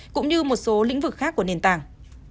cũng như một số lĩnh vực khác của nền tảng